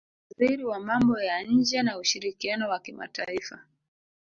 waziri wa mambo ya nje na ushirikiano wa kimataifa